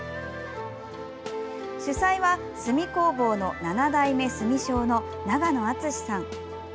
主催は、墨工房の７代目墨匠の長野睦さん。